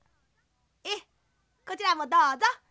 ええこちらもどうぞ。